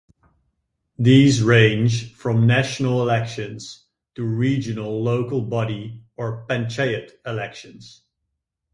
These range from national elections to regional local body or "panchayat" elections.